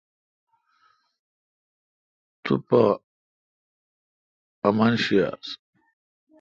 تو پا امنشی یاس۔